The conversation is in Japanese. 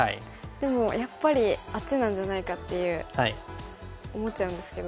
でもやっぱりあっちなんじゃないかっていう思っちゃうんですけど。